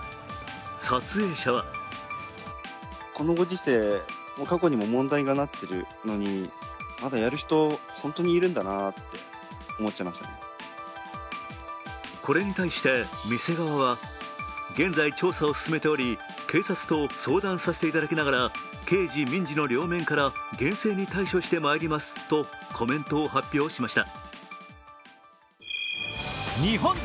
撮影者はこれに対して店側は現在調査を進めており警察と相談させていただきながら刑事民事の両面から厳正に対処してまいりますとコメントを発表しました。